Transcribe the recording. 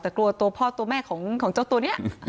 แต่กลัวตัวพ่อตัวแม่ของเจ้าตัวนี้